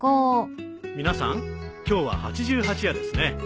皆さん今日は八十八夜ですね。